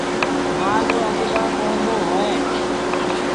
مآل رو اگھ باڪوندو هوئي۔